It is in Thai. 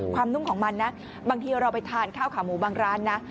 นุ่มของมันนะบางทีเราไปทานข้าวขาหมูบางร้านนะ